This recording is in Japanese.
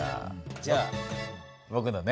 じゃあぼくのね。